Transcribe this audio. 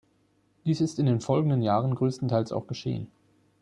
Dies ist in den folgenden Jahren größtenteils auch geschehen.